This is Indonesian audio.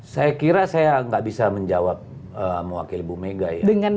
saya kira saya nggak bisa menjawab mewakili bu mega ya